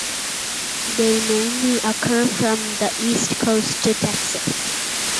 They mainly occur from the east coast to Texas.